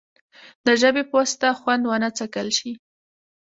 د ژبې په واسطه خوند ونه څکل شي.